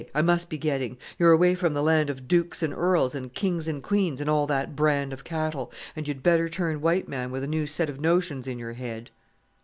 I must be getting. You're away from the land of dooks and earls, and kings and queens, and all that brand of cattle; and you'd better turn white man with a new set of notions in your head."